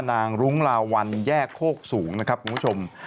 รุ้งลาวัลแยกโคกสูงนะครับคุณผู้ชม